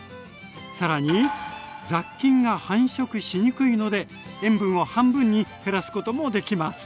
更に雑菌が繁殖しにくいので塩分を半分に減らすこともできます。